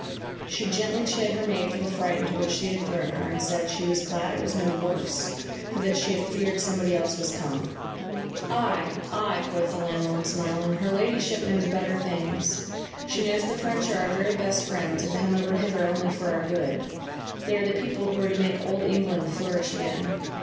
She gently chid her maid for the fright into which she had thrown her, and said "she was glad it was no worse; for that she had feared somebody else was come." "Ay, ay," quoth the landlord, smiling, "her ladyship knows better things; she knows the French are our very best friends, and come over hither only for our good. They are the people who are to make Old England flourish again.